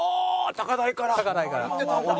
高台から。